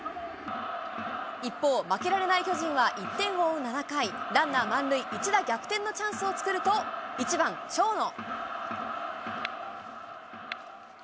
一方、負けられない巨人は１点を追う７回、ランナー満塁、一打逆転のチャンスを作ると、１番長野。